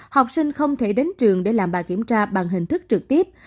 học sinh không thể đến trường để làm bài kiểm tra bằng hình thức trực tiếp